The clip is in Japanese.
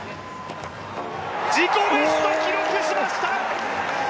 自己ベストを記録しました！